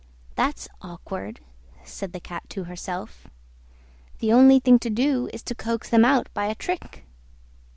"That's awkward," said the Cat to herself: "the only thing to do is to coax them out by a trick."